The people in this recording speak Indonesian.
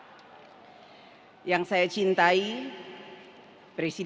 dan sekali lagi saya ingin mengucapkan salam sejahtera kepada anda